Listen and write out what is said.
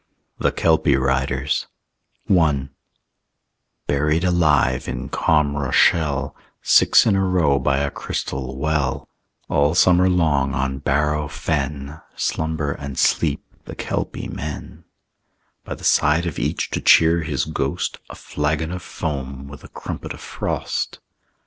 THE KELPIE RIDERS I Buried alive in calm Rochelle, Six in a row by a crystal well, All Summer long on Bareau Fen Slumber and sleep the Kelpie men; By the side of each to cheer his ghost, A flagon of foam with a crumpet of frost.